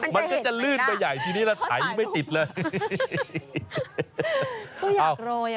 มันก็จะลื่นไปใหญ่ทีนี้เราไถไม่ติดเลย